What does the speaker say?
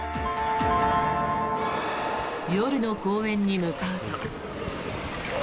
夜の公園に向かうと。